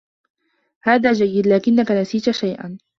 هذا جيّد، لكنّك نسيت شيئا.